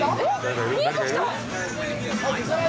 見えてきた。